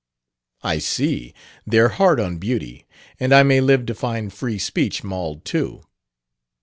"I see they're hard on beauty; and I may live to find free speech mauled, too."